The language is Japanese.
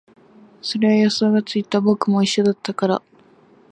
それは予想がついた、僕も一緒だったから